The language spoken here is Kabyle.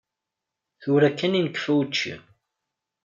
Tura kan i nekfa učči.